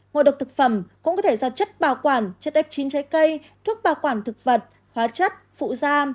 ngộ độc thực phẩm cũng có thể do chất bảo quản cho tép chín trái cây thuốc bảo quản thực vật hóa chất phụ da